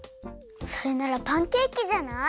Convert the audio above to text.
それならパンケーキじゃない？